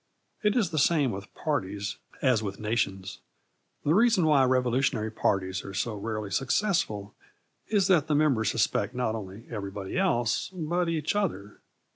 It is the same with parties as with nations. The reason why revolutionary parties are so rarely successful is that the members suspect not only everybody else but each other.